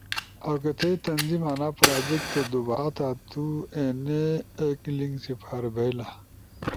ُو کہ تھئی تنظیم آنا پراجیکٹ تے دُوبھاتا تُو اینے ایک لنک سپاربھییلا